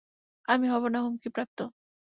আমি হব না হুমকিপ্রাপ্ত।